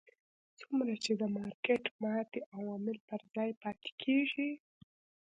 څومره چې د مارکېټ ماتې عوامل پر ځای پاتې کېږي.